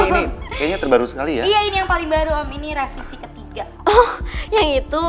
ini ini ini ini terbaru sekali ya iya ini yang paling baru om ini revisi ketiga oh yang itu